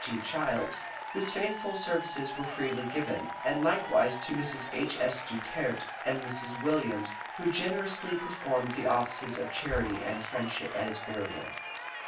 T. Childs, whose faithful services were freely given; and likewise to Mrs. H.S. Duterte and Mrs. Williams, who generously performed the offices of charity and friendship at his burial.